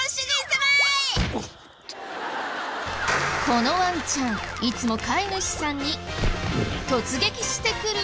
このワンちゃんいつも飼い主さんに突撃してくる。